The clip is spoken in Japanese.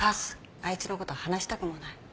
あいつの事話したくもない。